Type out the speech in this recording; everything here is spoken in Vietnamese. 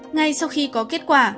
ngay sau khi có kết quả